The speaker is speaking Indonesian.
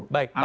baik pak pol